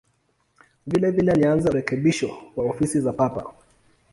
Vilevile alianza urekebisho wa ofisi za Papa.